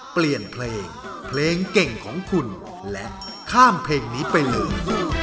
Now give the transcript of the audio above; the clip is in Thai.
เปลี่ยนเพลงเพลงเก่งของคุณและข้ามเพลงนี้ไปเลย